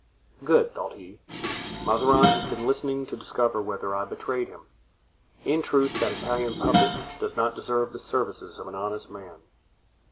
"Good," thought he; "Mazarin has been listening to discover whether I betrayed him. In truth, that Italian puppet does not deserve the services of an honest man."